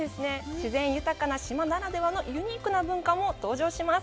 自然豊かな島ならではのユニークな文化も登場します。